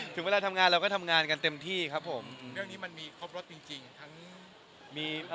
ถึงเวลาทำงานเราก็ทำงานกันเต็มที่ครับผม